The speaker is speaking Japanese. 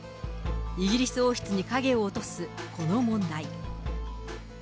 イギリス王室に影を落とすこの問題。